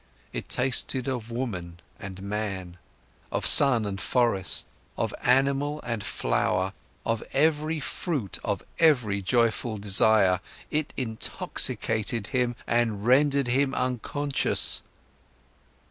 It tasted of woman and man, of sun and forest, of animal and flower, of every fruit, of every joyful desire. It intoxicated him and rendered him unconscious.